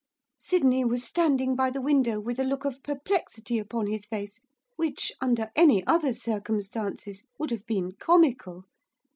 Sydney was standing by the window, with a look of perplexity upon his face which, under any other circumstances, would have been comical.